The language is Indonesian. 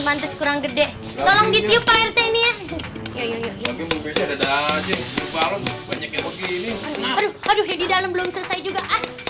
mantes kurang gede tolong di tiup rt ini ya ada banyak ini aduh aduh di dalam belum selesai juga